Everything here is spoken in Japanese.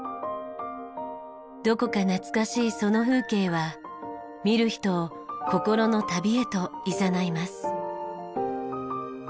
どこか懐かしいその風景は見る人を心の旅へといざないます。